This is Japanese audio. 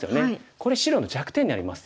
これ白の弱点になります。